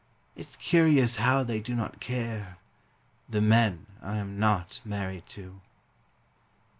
It's curious how they do not care The men I am not married to.